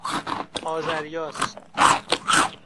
آذریاس